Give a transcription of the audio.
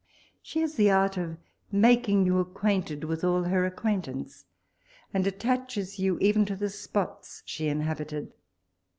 She has the art of making you acquainted with all her ac quaintance, and attaches you even to the spots WALPOLES LETTERS. 1*^7 she inhabited.